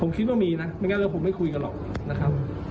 ผมคิดว่ามีนะไม่งั้นแล้วผมไม่คุยกันหรอกนะครับ